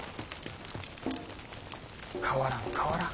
変わらん変わらん。